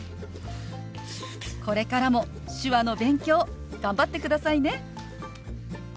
これからも手話の勉強頑張ってくださいね。